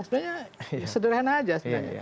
sebenarnya sederhana saja